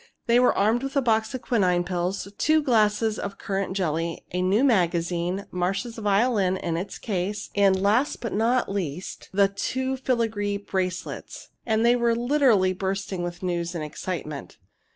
They were armed with a box of quinine pills, two glasses of currant jelly, a new magazine, Marcia's violin in its case, and, last, but not least, the two filigree bracelets. And they were literally bursting with news and excitement.